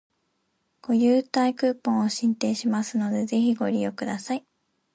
ご優待クーポンを進呈いたしますので、ぜひご利用ください